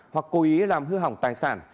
hoặc cố ý làm hư hỏng tài sản